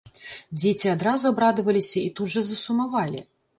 Дзеці адразу абрадаваліся і тут жа засумавалі.